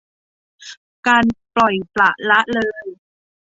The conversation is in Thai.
การปล่อยปละละเลย